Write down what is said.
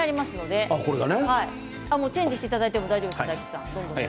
お花はチェンジしていただいても大丈夫ですよ。